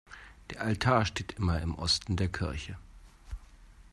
Der Altar steht immer im Osten der Kirche.